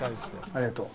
ありがとう。